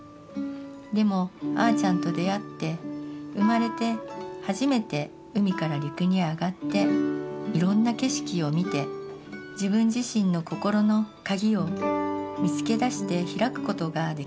でもあーちゃんと出会って生まれて初めて海から陸に上がって色んな景色を見て自分自身の心のカギを見つけ出して開くことができました。